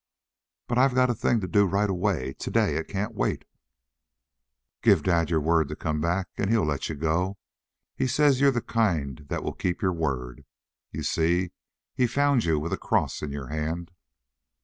"But I've got a thing to do right away today; it can't wait." "Give dad your word to come back and he'll let you go. He says you're the kind that will keep your word. You see, he found you with a cross in your hand."